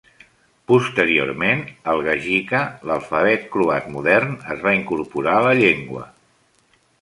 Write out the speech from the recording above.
Posteriorment, el "Gajica", l'alfabet croat modern, es va incorporar a la llengua.